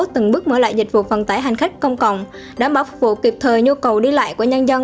từng bước mở lại dịch vụ vận tải hành khách công cộng đảm bảo phục vụ kịp thời nhu cầu đi lại của nhân dân